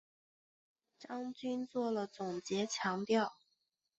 张军作了总结强调